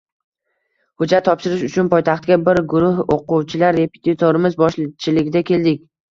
Hujjat topshirish uchun poytaxtga bir guruh o`quvchilar repetitorimiz boshchiligida keldik